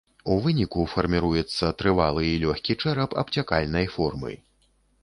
У выніку фарміруецца трывалы і лёгкі чэрап абцякальнай формы.